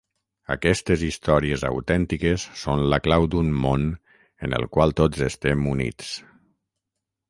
Aquestes històries autèntiques són la clau d'un món en el qual tots estem units.